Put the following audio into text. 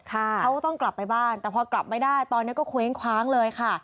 เขาก็ต้องกลับไปบ้านแต่พอกลับไม่ได้ตอนนี้ก็เคว้งคว้างเลยค่ะ